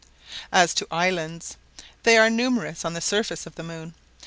As to islands, they are numerous on the surface of the moon.